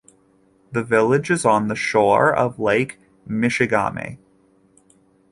The village is on the shore of Lake Michigamme.